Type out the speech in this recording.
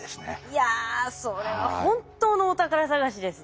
いやそれは本当のお宝探しですね。